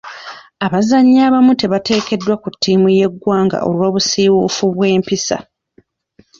Abazannyi abamu tebaateekeddwa ku ttiimu y'eggwanga olw'obusiiwuufu bw'empisa.